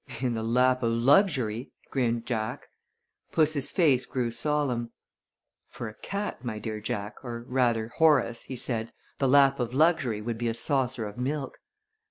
"In the lap of luxury," grinned Jack. Puss's face grew solemn. "For a cat, my dear Jack, or, rather, Horace," he said, "the lap of luxury would be a saucer of milk."